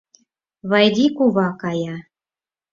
Вайди кува кая.